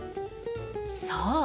そう。